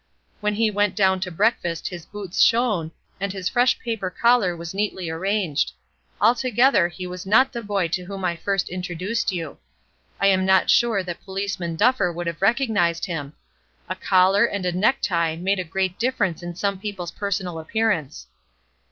When he went down to breakfast his boots shone, and his fresh paper collar was neatly arranged; altogether he was not the boy to whom I first introduced you. I am not sure that Policeman Duffer would have recognized him. A collar and a necktie make a great difference in some people's personal appearance.